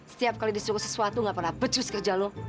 setiap kali disuruh sesuatu gak pernah becus kerja lo